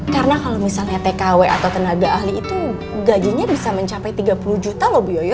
karena kalo misalnya tkw atau tenaga ahli itu gajinya bisa mencapai tiga puluh juta loh bu yoyo